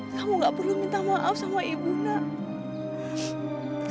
kamu gak perlu minta maaf sama ibu nak